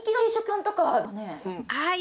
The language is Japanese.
はい？